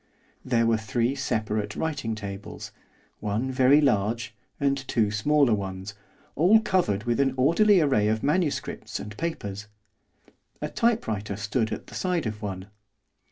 There were three separate writing tables, one very large and two smaller ones, all covered with an orderly array of manuscripts and papers. A typewriter stood at the side of one.